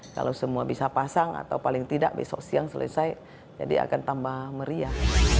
kalau semua bisa pasang atau paling tidak besok siang selesai jadi akan tambah meriah